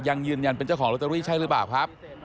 ยังยืนยันเป็นเจ้าของโรตเตอรี่ใช่หรือเปล่าครับ